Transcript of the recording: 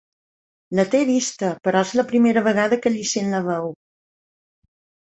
La té vista, però és la primera vegada que li sent la veu.